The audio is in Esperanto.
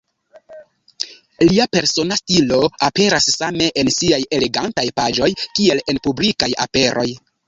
Lia persona stilo aperas same en siaj elegantaj paĝoj kiel en publikaj aperoj.